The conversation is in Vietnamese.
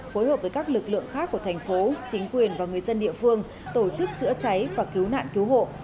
phối hợp với các lực lượng khác của thành phố chính quyền và người dân địa phương tổ chức chữa cháy và cứu nạn cứu hộ